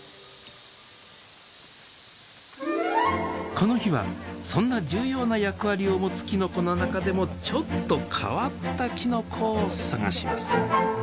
この日はそんな重要な役割を持つきのこの中でもちょっと変わったきのこを探します。